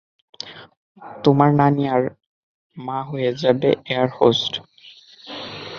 তোমার নানী আর মা হয়ে যাবে এয়ারহোস্টেস।